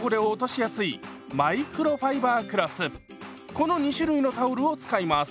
この２種類のタオルを使います。